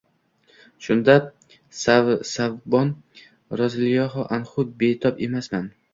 Shunda Savbon roziyallohu anhu: «Betob emasman